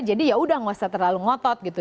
jadi ya sudah tidak usah terlalu ngotot gitu